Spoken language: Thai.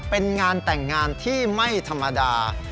เป็นงานแต่งงานที่ไม่ธรรมดา